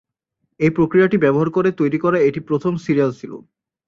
এই প্রক্রিয়াটি ব্যবহার করে তৈরি করা এটি প্রথম সিরিয়াল ছিল।